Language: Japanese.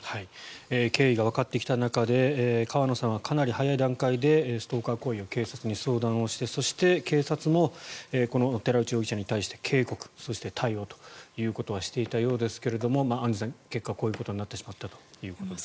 経緯がわかってきた中で川野さんはかなり早い段階でストーカー行為を警察に相談をしてそして、警察もこの寺内容疑者に対して警告、そして対応ということはしていたようですがアンジュさん、結果こういうことになってしまったということです。